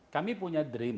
kami punya dream